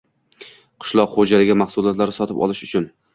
qishloq ho‘jaligi mahsulotlari sotib olish uchun